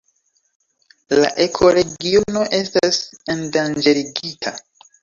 La ekoregiono estas endanĝerigita.